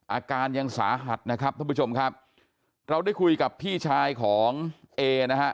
อาการยังสาหัสนะครับท่านผู้ชมครับเราได้คุยกับพี่ชายของเอนะฮะ